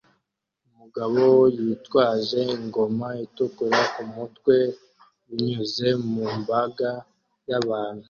Umugabo yitwaje ingoma itukura ku mutwe binyuze mu mbaga y'abantu